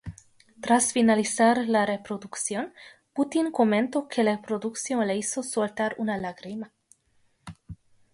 Tras finalizar la reproducción, Putin comentó que la producción le hizo "soltar una lágrima".